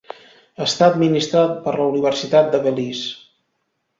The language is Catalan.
Està administrat per la Universitat de Belize.